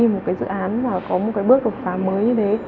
một dự án có một bước khám phá mới như thế